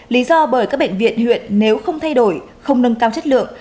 lý do bởi các bệnh viện huyện nếu không thay đổi không nâng cao chất lượng